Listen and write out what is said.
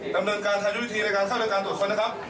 ดำเนินการทางยุทธวิธีในการเข้ารายการตรวจคนนะครับ